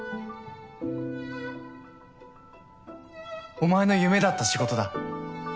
お前の夢だった仕事だ。